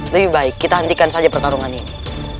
lebih baik kita hentikan saja pertarungan ini